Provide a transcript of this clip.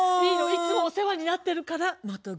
いつもお世話になってるから。